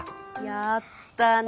やったね。